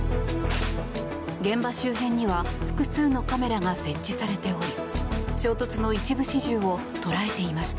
現場周辺には複数のカメラが設置されており衝突の一部始終を捉えていました。